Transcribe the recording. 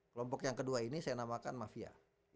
kelompok yang kedua ini saya namakan mafia